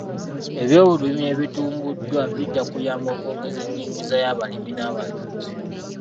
Ebyobulimi ebitumbuddwa bijja kuyamba okwongeza enyingiza y'abalimi n'abalunzi.